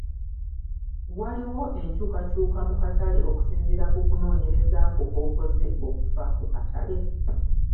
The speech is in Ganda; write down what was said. Waliwo enkyukakyuka mu katale okusinziira ku kunoonyereza kwo kw’okoze okufa ku katale?